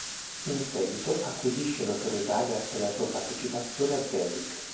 In seguito, acquisisce notorietà grazie alla sua partecipazione a "Zelig".